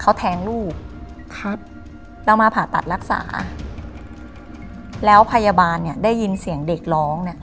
เขาแทงลูกครับเรามาผ่าตัดรักษาแล้วพยาบาลเนี่ยได้ยินเสียงเด็กร้องเนี่ย